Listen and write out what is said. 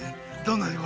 どんな味？